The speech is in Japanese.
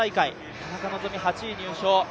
田中希実、８位入賞。